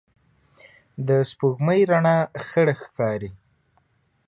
د سپوږمۍ رڼا خړه ښکاري